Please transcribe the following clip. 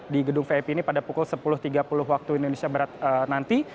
di gedung vip ini pada pukul sepuluh tiga puluh wib nanti